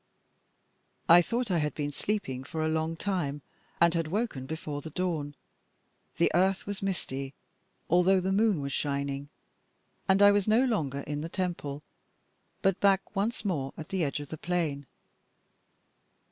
I thought I had been sleeping for a long time and had woken before the dawn: the earth was misty, although the moon was shining; and I was no longer in the temple, but back once more at the edge of the plain.